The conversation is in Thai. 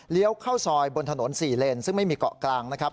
เข้าซอยบนถนน๔เลนซึ่งไม่มีเกาะกลางนะครับ